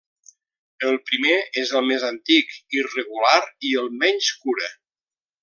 El primer és el més antic, irregular i el menys cura.